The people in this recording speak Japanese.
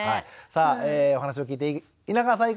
さあお話を聞いて稲川さん